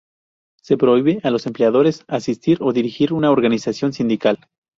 Se prohíbe a los empleadores asistir o dirigir una organización sindical.